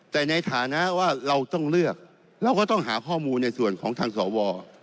แต่ในฐานะว่าเราต้องเลือกเราก็ต้องหาข้อมูลในส่วนของทางสว